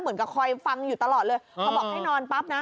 เหมือนกับคอยฟังอยู่ตลอดเลยพอบอกให้นอนปั๊บนะ